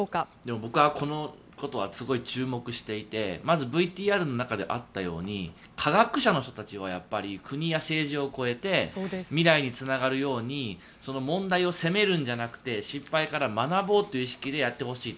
僕はこのことはすごい注目していてまずＶＴＲの中であったように科学者の人たちは国や政治を超えて未来につながるように問題を責めるんじゃなくて失敗から学ぼうという意識でやってほしいと。